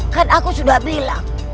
kan aku sudah bilang